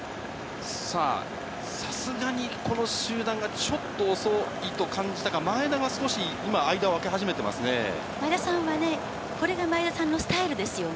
さあ、さすがにこの集団がちょっと遅いと感じたか、前田が少し今、前田さんはね、これが前田さんのスタイルですよね。